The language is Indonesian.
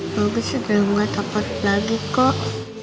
bagus sudah gak dapat lagi kak